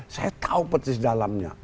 saya tahu petis dalamnya